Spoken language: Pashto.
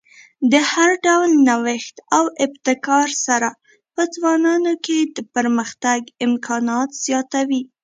د هر ډول نوښت او ابتکار سره په ځوانانو کې د پرمختګ امکانات زیاتوي.